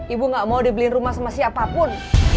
ibu gak mau dibeliin rumah sama siapapun